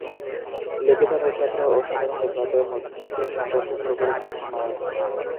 লেপিতা মৃৎপাত্র ও সাধারণ মৃৎপাত্রের মধ্যে সম্পর্ক পুরোপুরি স্পষ্ট নয়।